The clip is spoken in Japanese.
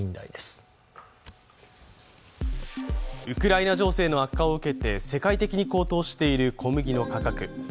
ウクライナ情勢の悪化を受けて世界的に高騰している小麦の価格。